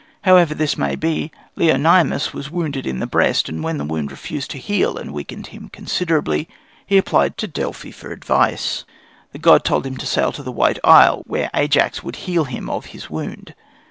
However this may be, Leonymus was wounded in the breast, and as the wound refused to heal and weakened him considerably, he applied to Delphi for advice. The god told him to sail to the White Isle, where Ajax would heal him of his wound.